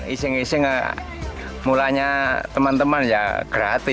iseng iseng mulanya teman teman ya gratis